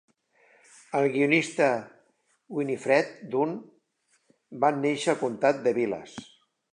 El guionista Winifred Dunn va néixer al comtat de Vilas.